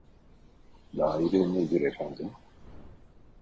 Daire nedir efendim